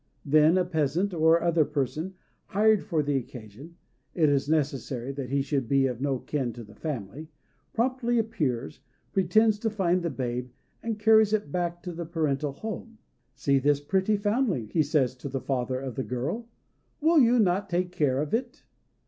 Then a peasant, or other person, hired for the occasion (it is necessary that he should be of no kin to the family), promptly appears, pretends to find the babe, and carries it back to the parental home. "See this pretty foundling," he says to the father of the girl, "will you not take care of it?"